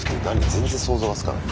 全然想像がつかない。